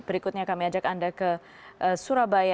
berikutnya kami ajak anda ke surabaya